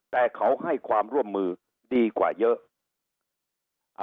แต่เขาให้ความร่วมมือดีกว่าเยอะ